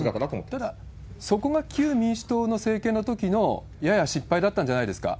ただ、そこが旧民主党の政権のときのやや失敗だったんじゃないですか？